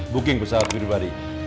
booking pesawat budi budi